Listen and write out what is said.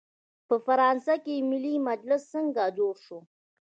په فرانسه کې ملي مجلس څنګه جوړ شو؟